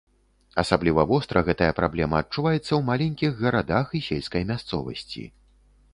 Асабліва востра гэтая праблема адчуваецца ў маленькіх гарадах і сельскай мясцовасці.